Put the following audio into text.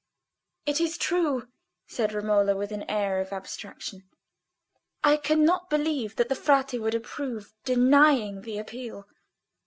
"It is true," said Romola, with an air of abstraction. "I cannot believe that the Frate would approve denying the Appeal."